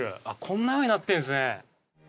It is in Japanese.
あっこんなふうになってるんですね。